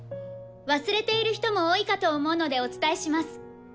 忘れている人も多いかと思うのでお伝えします。